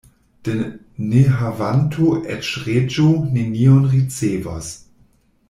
De nehavanto eĉ reĝo nenion ricevos.